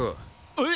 えっ？